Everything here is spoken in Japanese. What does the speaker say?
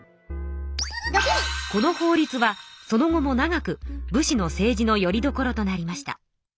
この法律はその後も長く武士の政治のよりどころとなりました。